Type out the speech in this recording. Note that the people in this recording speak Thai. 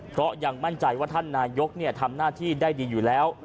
เพราะยังมั่นใจว่าท่านนายกทำหน้าที่ได้ดีอยู่แล้ว